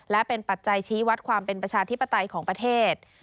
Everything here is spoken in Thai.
และเป็นปัจจัยชี้วัดความเป็นประชาธิปไตยของประเทศ